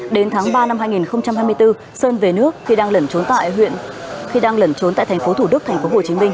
đến tháng ba năm hai nghìn hai mươi bốn sơn về nước khi đang lẩn trốn tại thành phố thủ đức thành phố hồ chí minh